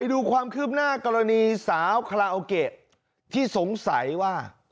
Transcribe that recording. ดูความคืบหน้ากรณีสาวคาราโอเกะที่สงสัยว่า